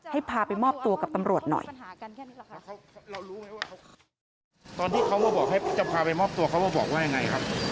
พาไปมอบตัวกับตำรวจหน่อยค่ะ